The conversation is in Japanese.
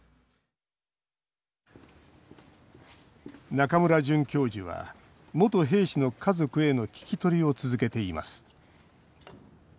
中村准教授は元兵士の家族への聞き取りを続けています